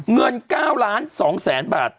เงิน๙ล้าน๒แสนบาท